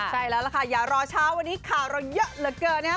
ใช่แล้วล่ะค่ะอย่ารอเช้าวันนี้ข่าวเราเยอะเหลือเกินนะครับ